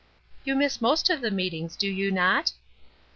"You miss most of the meetings, do you not?"